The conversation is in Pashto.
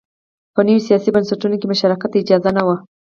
په نویو سیاسي بنسټونو کې مشارکت ته اجازه نه وه